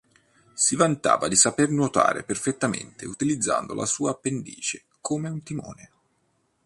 Si vantava di saper nuotare perfettamente utilizzando la sua appendice come un timone.